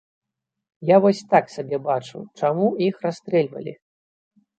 Я вось так сабе бачу, чаму іх расстрэльвалі?